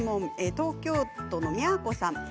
東京都の方です。